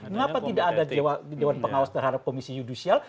mengapa tidak ada dewan pengawas terhadap komisi judisial